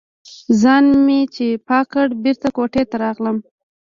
ځان مې چې پاک کړ، بېرته کوټې ته راغلم.